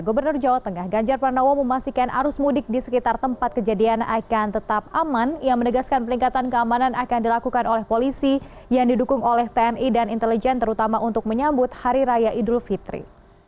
gubernur jawa tengah ganjar pranowo memastikan arus mudik di sekitar tempat kejadian akan tetap aman yang menegaskan peningkatan keamanan akan dilakukan oleh polisi yang didukung oleh tni dan intelijen terutama untuk menyambut hari raya idul fitri